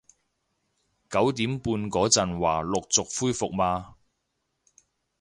九點半嗰陣話陸續恢復嘛